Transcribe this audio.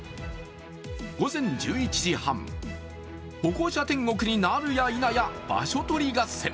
午前１１時半、歩行者天国になるやいなや場所取り合戦。